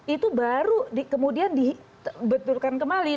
itu baru kemudian dibenturkan kembali